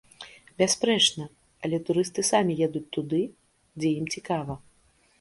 Бясспрэчна, але турысты самі едуць туды, дзе ім цікава.